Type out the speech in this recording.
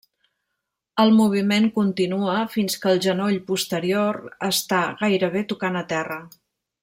El moviment continua fins que el genoll posterior està gairebé tocant a terra.